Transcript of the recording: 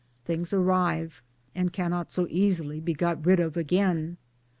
Things arrive, and cannot so easily be got rid of again.